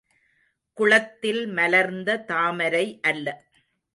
குளத்தில் மலர்ந்த தாமரை அல்ல.